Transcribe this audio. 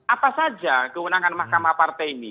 apa saja kewenangan mahkamah partai ini